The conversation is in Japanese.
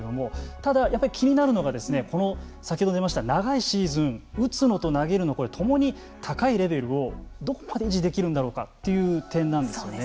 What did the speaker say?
ただ、気になるのがこの先ほど出ました長いシーズン打つのと投げるのともに高いレベルをどこまで維持できるんだろうかという点なんですよね。